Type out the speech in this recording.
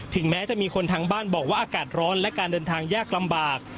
แม้จะมีคนทางบ้านบอกว่าอากาศร้อนและการเดินทางยากลำบาก